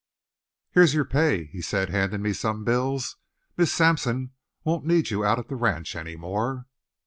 "Here's your pay," he said, handing me some bills. "Miss Sampson won't need you out at the ranch any more."